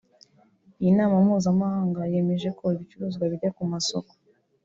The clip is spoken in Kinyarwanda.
Iyi nama mpuzamahanga yemeje ko ibicuruzwa bijya ku masoko